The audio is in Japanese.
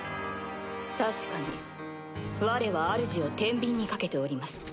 確かにわれはあるじを天秤にかけております。